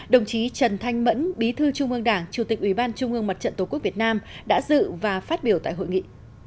đồng chí trần thanh mẫn bí thư trung ương đảng chủ tịch ủy ban trung ương mặt trận tổ quốc việt nam đã dự và phát biểu tại hội nghị